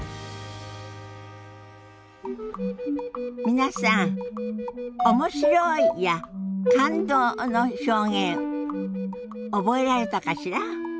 皆さん「面白い」や「感動」の表現覚えられたかしら。